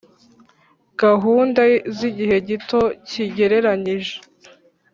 gahunda z’igihe gito kigereranyije.